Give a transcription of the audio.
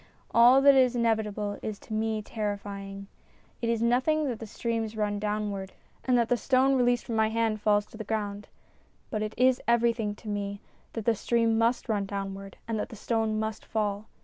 All that is inevitable is to me terrify ing. It is nothing that the streams run downward and that the stone released from my hand falls to the ground ; but it is everything to me that the 248 STORIES IN GREY stream must run downward and the stone must fall.